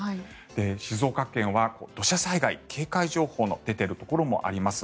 静岡県は土砂災害警戒情報の出ているところもあります。